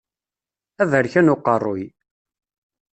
Aberkan uqerruy.